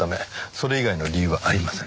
それ以外の理由はありません。